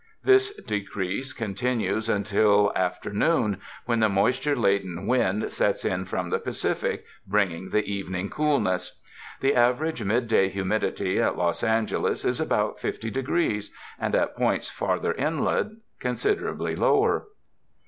This decrease continues until afternoon when the moisture laden wind sets in from the Pacific, bringing the evening coolness. The aver age mid day humidity at Los Angeles is about 50 degrees, and at points farther inland considerably lower.